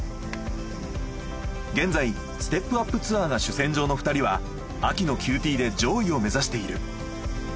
現在ステップ・アップ・ツアーが主戦場の２人は秋のＱＴで上位を目指している。